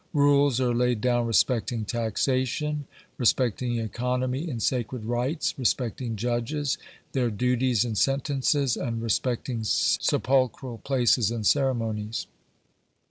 Rules are laid down respecting taxation, respecting economy in sacred rites, respecting judges, their duties and sentences, and respecting sepulchral places and ceremonies.